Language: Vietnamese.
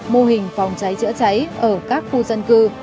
mô hình phòng cháy chữa cháy ở các khu dân cư